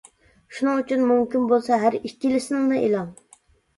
شۇنىڭ ئۈچۈن مۇمكىن بولسا ھەر ئىككىلىسىنىلا ئېلىڭ.